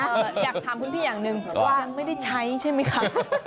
อยากถามคุณพี่อย่างหนึ่งวางไม่ได้ใช้ใช่ไหมคะ